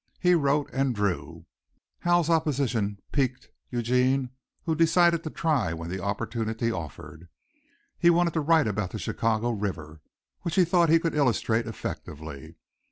He wrote and drew. Howe's opposition piqued Eugene who decided to try when the opportunity offered. He wanted to write about the Chicago River, which he thought he could illustrate effectively.